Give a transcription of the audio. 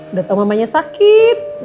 udah tau mamanya sakit